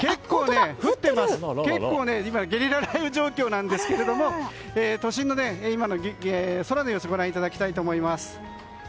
結構、ゲリラ雷雨状況なんですが都心の今の空の様子ご覧いただきたいと思います。